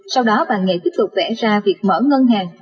sau đó bà ngày tiếp tục vẽ ra việc mở ngân hàng